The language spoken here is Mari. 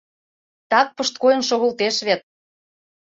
— Так пышткойын шогылтеш вет!